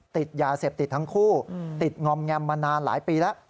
ติดยาเสพติดทั้งคู่ติดงอมแงมมานานหลายปีแล้ว